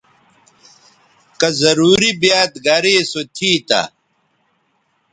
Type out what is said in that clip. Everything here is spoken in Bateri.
کہ ضروری بیاد گریسو تھی تہ